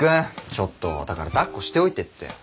ちょっとだからだっこしておいてって。